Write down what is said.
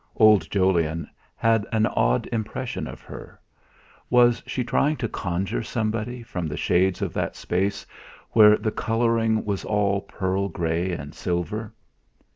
Old Jolyon had an odd impression of her. Was she trying to conjure somebody from the shades of that space where the colouring was all pearl grey and silver?